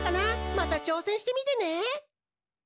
またちょうせんしてみてね！